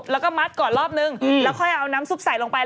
แล้วก็มัดก่อนรอบนึงแล้วค่อยเอาน้ำซุปใส่ลงไป